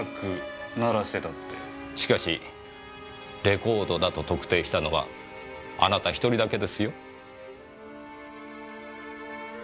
しかしレコードだと特定したのはあなた一人だけですよ。